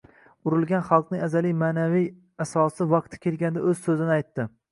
urilgan xalqning azaliy ma’naviy asosi vaqti kelganda o‘z so‘zini aytdi